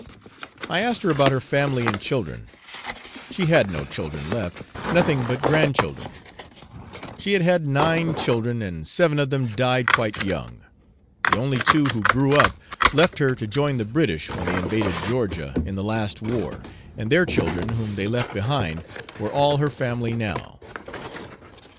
I asked her about her family and children; she had no children left, nothing but grandchildren; she had had nine children, and seven of them died quite young; the only two who grew up left her to join the British when they invaded Georgia in the last war, and their children, whom they left behind, were all her family now.